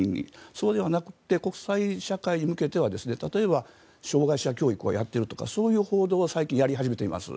そうではなくて国際社会に向けては例えば、障害者教育をやっているとかそういう報道は最近、やり始めています。